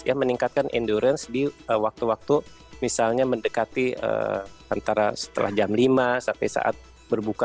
ya meningkatkan endurance di waktu waktu misalnya mendekati antara setelah jam lima sampai saat berbuka